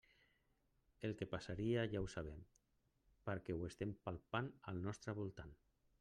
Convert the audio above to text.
El que passaria ja ho sabem perquè ho estem palpant al nostre voltant.